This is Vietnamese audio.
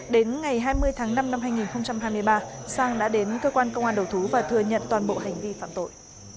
đến ngày hai mươi tháng năm năm hai nghìn hai mươi ba sang đã đến cơ quan công an đầu thú và thừa nhận toàn bộ hành vi phạm tội